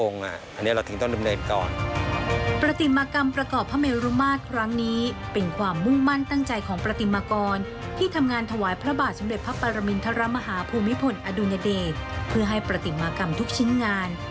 เนี่ยว่าเวลามันน้อย